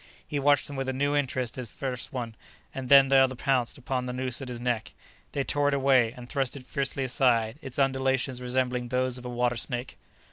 He watched them with a new interest as first one and then the other pounced upon the noose at his neck. They tore it away and thrust it fiercely aside, its undulations resembling those of a water snake.